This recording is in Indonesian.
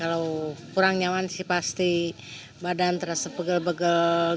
kalau kurang nyaman sih pasti badan terasa pegel pegel